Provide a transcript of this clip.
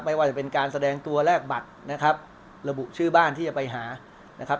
ไม่ว่าจะเป็นการแสดงตัวแรกบัตรนะครับระบุชื่อบ้านที่จะไปหานะครับ